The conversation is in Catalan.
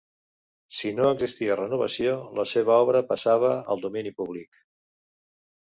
Si no existia renovació, la seva obra passava al domini públic.